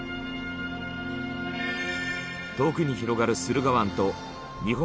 遠くに広がる駿河湾と日本